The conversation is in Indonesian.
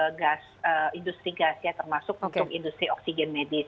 hanya ada satu supplier untuk industri gas ya termasuk untuk industri oksigen medis